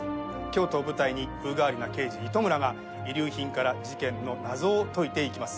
京都を舞台に風変わりな刑事糸村が遺留品から事件の謎を解いていきます。